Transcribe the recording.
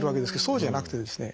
そうじゃなくてですね